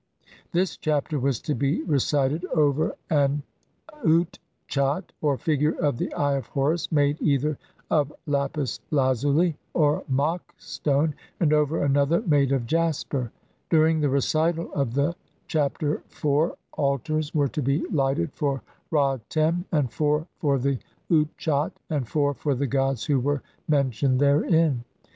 This Chapter was to be recited over an utchat, or figure of the Eye of Horus, made either of lapis lazuli or Mak stone, and over another made of jasper. During the recital of the Chapter four al tars were to be lighted for Ra Tem, and four for the Utchat, and four for the gods who were mentioned therein.